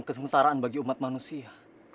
kesengsaraan bagi umat manusia